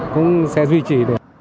cũng sẽ duy trì